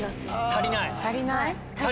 足りない。